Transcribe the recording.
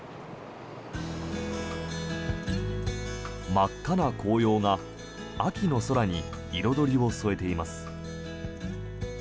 真っ赤な紅葉が秋の空に彩りを添えています。